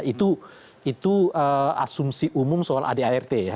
itu asumsi umum soal adart ya